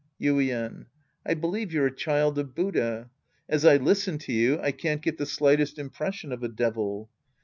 Yuien. I believe you're a child of Buddha. As I listen to you, I can't get the slightest impression of a devil.